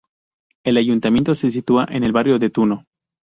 El ayuntamiento se sitúa en el barrio de Tuno.